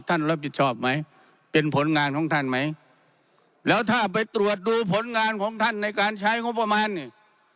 ท่านรับผิดชอบไหมเป็นผลงานของท่านไหมแล้วถ้าไปตรวจดูผลงานของท่านในการใช้งบประมาณเนี่ย